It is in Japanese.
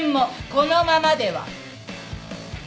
このままでは。